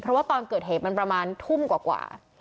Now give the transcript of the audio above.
เพราะว่าตอนเกิดเหตุมันประมาณทุ่มกว่า